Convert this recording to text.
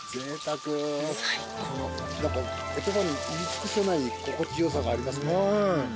言葉に言い尽くせない心地よさがありますね。